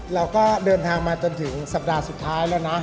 เราก็เดินทางมาจนถึงสัปดาห์สุดท้ายแล้วนะ